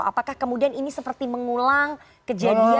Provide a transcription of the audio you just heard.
apakah kemudian ini seperti mengulang kejadian seperti twk